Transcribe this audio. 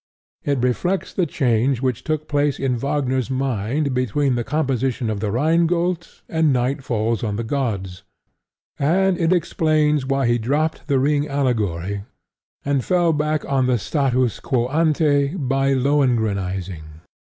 It reflects the change which took place in Wagner's mind between the composition of The Rhine Gold and Night Falls On The Gods; and it explains why he dropped The Ring allegory and fell back on the status quo ante by Lohengrinizing.